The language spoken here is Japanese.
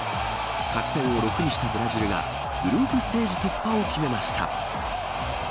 勝ち点を６にしたブラジルがグループステージ突破を決めました。